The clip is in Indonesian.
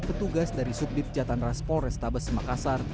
petugas dari subdit jatan ras polrestabes makassar